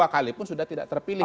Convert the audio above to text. dua kali pun sudah tidak terpilih